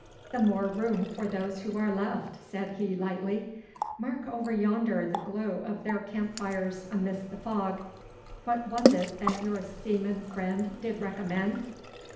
'The more room for those who are left,' said he lightly. 'Mark over yonder the glow of their camp fires amidst the fog. What was it that your seaman friend did recommend?